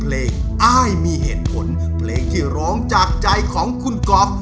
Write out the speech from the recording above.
ได้เพียงหนึ่งคนครับ